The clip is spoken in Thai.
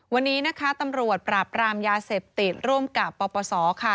วันนี้นะคะตำรวจปราบรามยาเสพติดร่วมกับปปศค่ะ